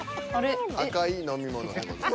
「赤い飲み物」でございます。